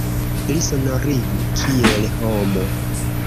Li sonorigu kiel homo.